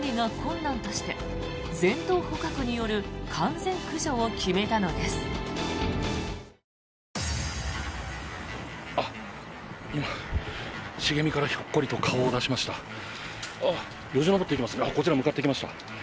こちらに向かってきました。